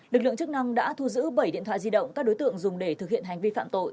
lực lượng chức năng đã thu giữ bảy điện thoại di động các đối tượng dùng để thực hiện hành vi phạm tội